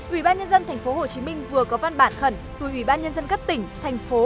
ubnd tp hcm vừa có văn bản khẩn từ ubnd các tỉnh thành phố